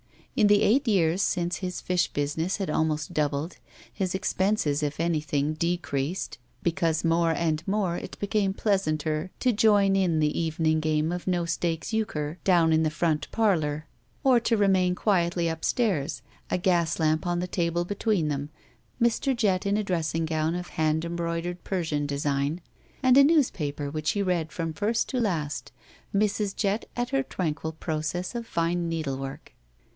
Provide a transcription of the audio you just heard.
In the eight years since, his fish business had almost doubled, and his expenses, if anything, de creased, because more and more it became pleasanter to join in the evening game of no stakes euchre down in the front parlor or to remain quietly up U 187 GUILTY stairs, a gas lamp on the table between them, Mr. Jett in a dressing gown of hand embroidered Persian design and a newspaper which he read from first to last; Mrs. Jett at her tranquil process of fine needlework.